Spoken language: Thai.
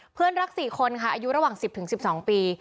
เพื่อนรักสี่คนค่ะอายุระหว่างสิบถึงสิบสองปี